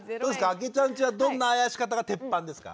あきえちゃんちはどんなあやし方が鉄板ですか？